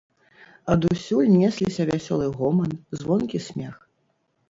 Адусюль несліся вясёлы гоман, звонкі смех.